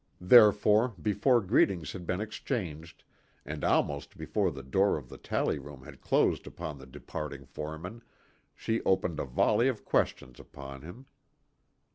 Therefore, before greetings had been exchanged, and almost before the door of the tally room had closed upon the departing foreman, she opened a volley of questions upon him.